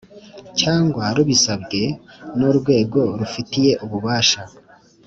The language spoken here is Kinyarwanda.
cyangwa rubisabwe n urwego rufiteye ububasha